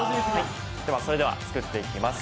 それでは作っていきます。